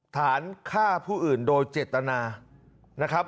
ฐานฆ่าผู้อื่นโดยเจตนานะครับ